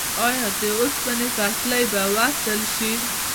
آیا د اوسپنې پټلۍ به وصل شي؟